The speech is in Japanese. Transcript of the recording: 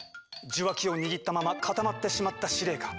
受話器を握ったまま固まってしまった司令官。